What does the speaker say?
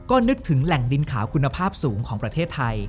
ก็นึกถึงแหล่งดินขาวคุณภาพสูงของประเทศไทย